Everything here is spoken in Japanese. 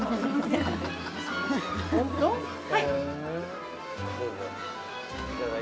◆はい。